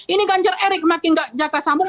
ini ganjar erik makin nggak jatah sambung